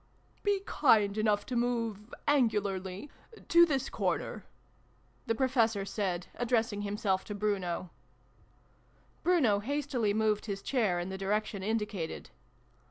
" Be kind enough to move angularly to this corner," the Professor said, addressing himself to Bruno. Bruno hastily moved his chair in the direc tion indicated.